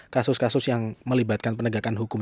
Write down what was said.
kasus kasus yang melibatkan penegakan hukum